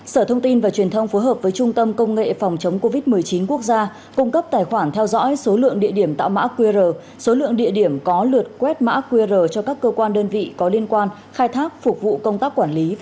sở thông tin và truyền thông phối hợp với trung tâm công nghệ phòng chống covid một mươi chín quốc gia cung cấp tài khoản theo dõi số lượng địa điểm tạo mã qr số lượng địa điểm có lượt quét mã qr cho các cơ quan đơn vị có liên quan khai thác phục vụ công tác quản lý